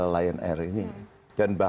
lion air ini dan